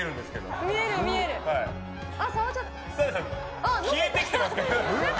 澤部さん、消えてきてますけど。